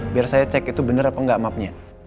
biar saya cek itu benar apa enggak mapnya